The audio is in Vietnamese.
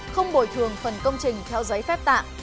không bồi thường phần công trình theo giấy phép tạm